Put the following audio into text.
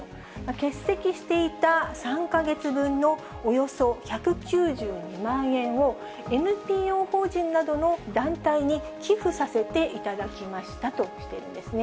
欠席していた３か月分のおよそ１９２万円をＮＰＯ法人などの団体に寄付させていただきましたとしているんですね。